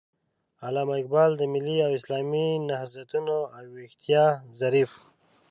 علامه اقبال د ملي او اسلامي نهضتونو او ويښتياو ظريف